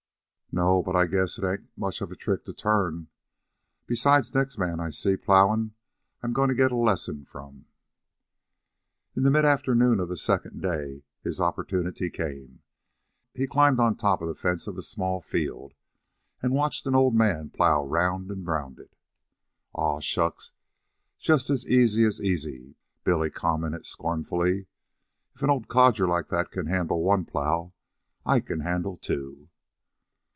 "No; but I guess it ain't much of a trick to turn. Besides, next man I see plowing I'm goin' to get a lesson from." In the mid afternoon of the second day his opportunity came. He climbed on top of the fence of a small field and watched an old man plow round and round it. "Aw, shucks, just as easy as easy," Billy commented scornfully. "If an old codger like that can handle one plow, I can handle two."